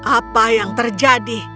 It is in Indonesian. apa yang terjadi